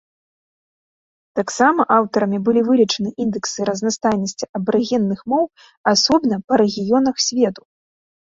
Таксама аўтарамі былі вылічаны індэксы разнастайнасці абарыгенных моў асобна па рэгіёнах свету.